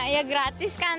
ya gratis kan